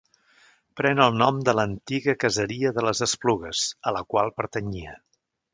Pren el nom de l'antiga caseria de les Esplugues, a la qual pertanyia.